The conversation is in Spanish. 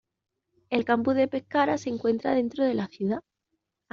El Campus de Pescara se encuentra dentro de la ciudad.